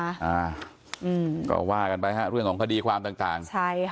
จนก็ว่ากันไปเรื่องของพอดีความต่าง